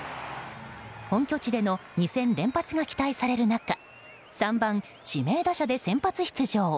本拠地での２戦連発が期待される中３番指名打者で先発出場。